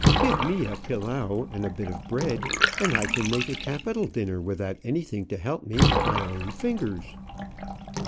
Give me a pilau and a bit of bread, and I can make a capital dinner without anything to help me but my own fingers."